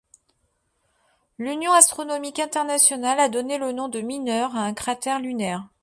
L'union astronomique internationale a donné le nom de Mineur à un cratère lunaire.